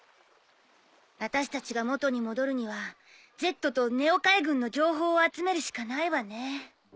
私たちが元に戻るにはＺとＮＥＯ海軍の情報を集めるしかないわね。